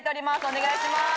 お願いします。